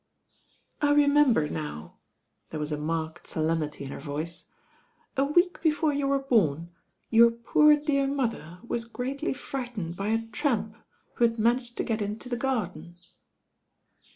"I remember now," there was a marked sol emnity in her voice, "a week before you were born, your poor dear mother was greatly frightened by ft tramp who had managed to get into the garden."